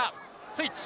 スイッチ。